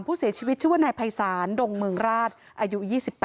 ผู้เสียชีวิตชื่อว่านายภัยศาลดงเมืองราชอายุ๒๘